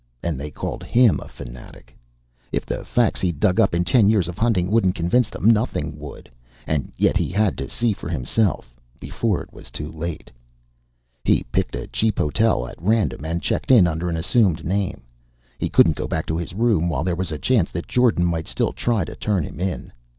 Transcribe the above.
And they called him a fanatic! If the facts he'd dug up in ten years of hunting wouldn't convince them, nothing would. And yet he had to see for himself, before it was too late! He picked a cheap hotel at random and checked in under an assumed name. He couldn't go back to his room while there was a chance that Jordan still might try to turn him in.